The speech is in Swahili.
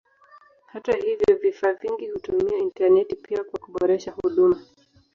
Hata hivyo vifaa vingi hutumia intaneti pia kwa kuboresha huduma.